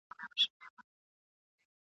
له لنډیو کفنونه محتسب لره ګنډمه ..